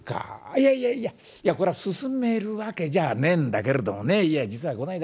いやいやいやいやこれは薦めるわけじゃねえんだけれどもねいや実はこないだ